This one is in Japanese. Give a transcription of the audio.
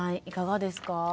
いかがですか？